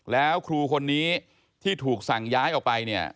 แล้วครูคนนี้ที่ถูกสั่งย้ายออกไปเนี่ย